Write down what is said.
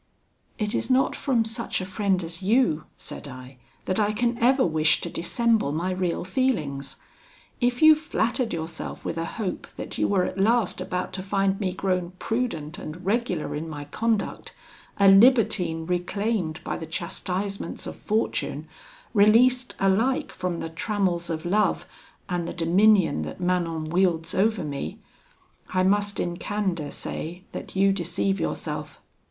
'It is not from such a friend as you,' said I, 'that I can ever wish to dissemble my real feelings. If you flattered yourself with a hope that you were at last about to find me grown prudent and regular in my conduct, a libertine reclaimed by the chastisements of fortune, released alike from the trammels of love, and the dominion that Manon wields over me, I must in candour say, that you deceive yourself.